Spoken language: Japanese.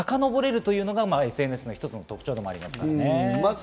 さかのぼれるというのがＳＮＳの特徴ではありますからね。